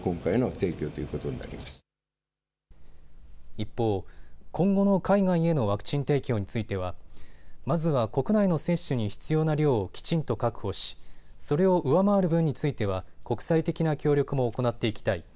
一方、今後の海外へのワクチン提供についてはまずは国内の接種に必要な量をきちんと確保し、それを上回る分については国際的な協力も行っていきたい。